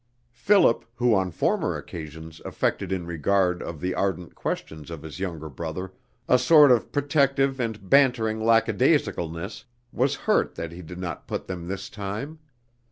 Philip, who on former occasions affected in regard of the ardent questions of his younger brother a sort of protective and bantering lackadaisicalness, was hurt that he did not put them this time.